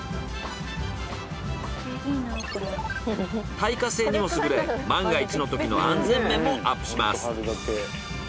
耐火性にも優れ万が一のときの安全面もアップします。